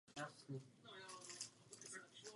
Potom stoupá do pahorkatiny Dolní Galileji.